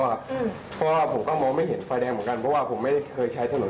เพราะว่าผมก็มองไม่เห็นไฟแดงเหมือนกันเพราะว่าผมไม่เคยใช้ถนน